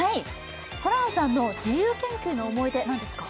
ホランさんの自由研究の思い出、何ですか？